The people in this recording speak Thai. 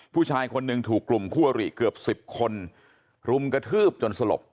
ผู้ชายคนหนึ่งถูกกลุ่มคู่อริเกือบ๑๐คนรุมกระทืบจนสลบ